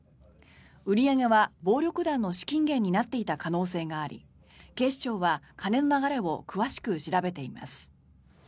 売り上げは暴力団の資金源になっていた可能性があり警視庁は金の流れを詳しく調べています。